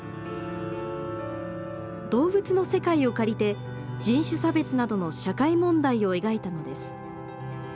動物の世界を借りて人種差別などの社会問題を描いたのです。